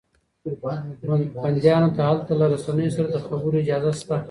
بنديانو ته هلته له رسنيو سره د خبرو اجازه شته.